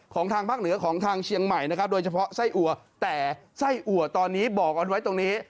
ทางภาคเหนือของทางเชียงใหม่นะครับโดยเฉพาะไส้อัวแต่ไส้อัวตอนนี้บอกกันไว้ตรงนี้